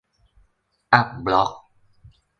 อัปบล็อก